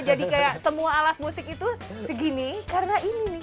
kayak semua alat musik itu segini karena ini nih